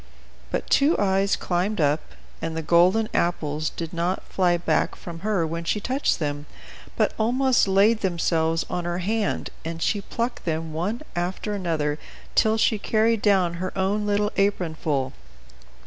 But Two Eyes climbed up, and the golden apples did not fly back from her when she touched them, but almost laid themselves on her hand, and she plucked them one after another, till she carried down her own little apron full.